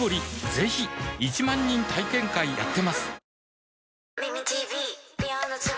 ぜひ１万人体験会やってますはぁ。